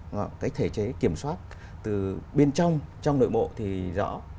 cái thể chế kiểm soát từ bên trong trong nội bộ thì rõ